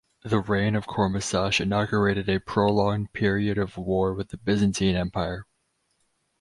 The reign of Kormisosh inaugurated a prolonged period of war with the Byzantine Empire.